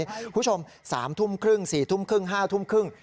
คุณผู้ชม๓ทุ่มครึ่ง๔ทุ่มครึ่ง๕ทุ่มครึ่ง